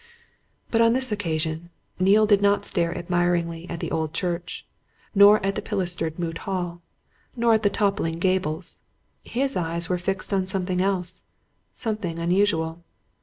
But on this occasion Neale did not stare admiringly at the old church, nor at the pilastered Moot Hall, nor at the toppling gables: his eyes were fixed on something else, something unusual.